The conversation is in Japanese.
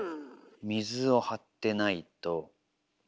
水を張ってないとダメ。